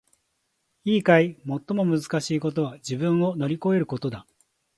いいかい！最もむずかしいことは自分を乗り越えることだ！